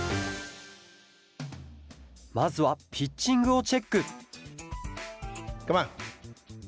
まずはピッチングをチェックカモン！